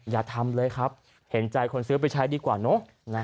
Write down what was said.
อย่าทำเลยครับเห็นใจคนซื้อไปใช้ดีกว่าเนอะ